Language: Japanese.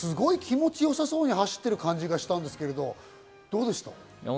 気持ち良さそうに走ってる感じがしたんですが、どうですか？